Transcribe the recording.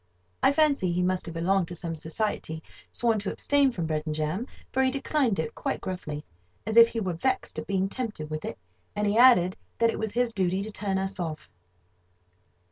I fancy he must have belonged to some society sworn to abstain from bread and jam; for he declined it quite gruffly, as if he were vexed at being tempted with it, and he added that it was his duty to turn us off.